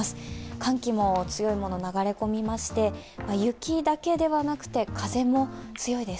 寒気も強いものが流れ込みまして雪だけではなくて、風も強いです。